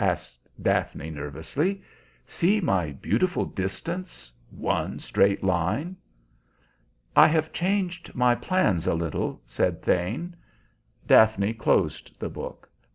asked Daphne nervously. "See my beautiful distance, one straight line!" "I have changed my plans a little," said Thane. Daphne closed the book.